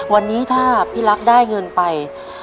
วันนี้ถ้าพี่รักได้เงินไป